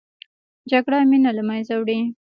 جګړه مینه له منځه وړي